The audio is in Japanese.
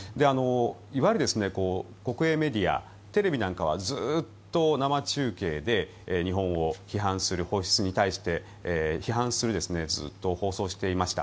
いわゆる国営メディアテレビなんかはずっと生中継で、日本を批判する放出に対して批判するずっと放送をしていました。